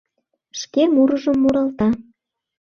Шке мурыжым муралта: